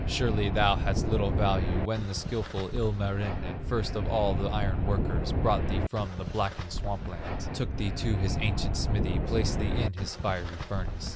Surely thou hadst little value When the skilful Ilmarinen, First of all the iron workers, Brought thee from the blackened swamp lands, Took thee to his ancient smithy, Placed thee in his fiery furnace.